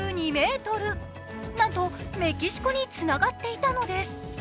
なんとメキシコにつながっていたのです。